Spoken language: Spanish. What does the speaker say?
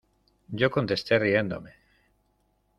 yo contesté riéndome: